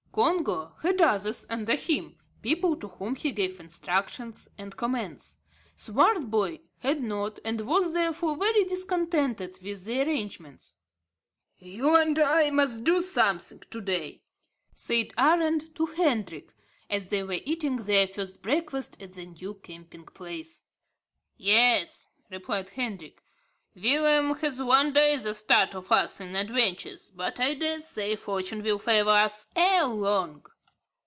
Congo had others under him, people to whom he gave instructions and commands. Swartboy had not, and was, therefore, very discontented with the arrangements. "You and I must do something to day," said Arend to Hendrik, as they were eating their first breakfast at the new camping place. "Yes," replied Hendrik, "Willem has one day the start of us in adventures, but I dare say fortune will favour us ere long."